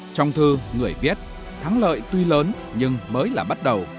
trong thư người viết thắng lợi tuy lớn nhưng mới là bắt đầu